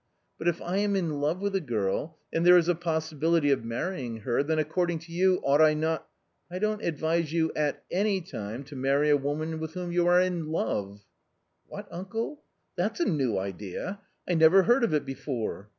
" But if I am in love with a girl, and there is a possibility of marrying her, then, according to you, ought I not "" I d on't advi se you at any time to marry a woman with w hom y ou are in Iove7 " what7 uncle? fliafs a new idea ; I never heard of it be fore."